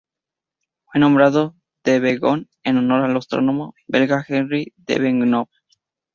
Fue nombrado Debehogne en honor al astrónomo belga Henri Debehogne.